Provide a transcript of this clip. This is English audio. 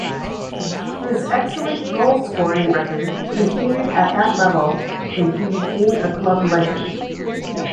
His excellent goalscoring record continued at that level and he became a club legend.